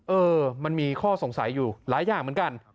เออมันมีข้อสงสัยอยู่หลายอย่างเหมือนกัน